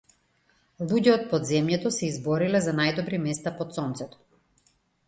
Луѓе од подземјето се избориле за најдобри места под сонцето.